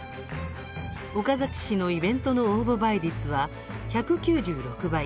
岡崎市のイベントの応募倍率は１９６倍。